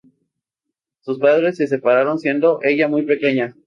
Sus padres se separaron siendo ella muy pequeña.